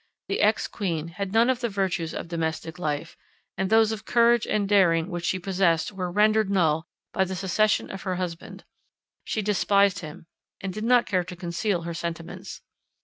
The ex queen had none of the virtues of domestic life, and those of courage and daring which she possessed were rendered null by the secession of her husband: she despised him, and did not care to conceal her sentiments.